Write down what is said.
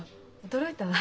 驚いたわ。